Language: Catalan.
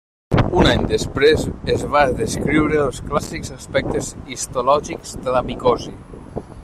Un any després es va descriure els clàssics aspectes histològics de la micosi.